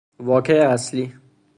واکه اصلی